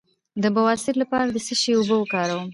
د بواسیر لپاره د څه شي اوبه وکاروم؟